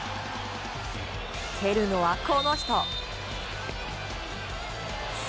蹴るのは、この人。